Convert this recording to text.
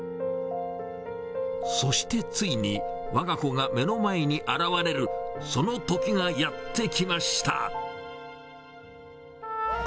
そしてついに、わが子が目の前に現れる、そのときがやってきました。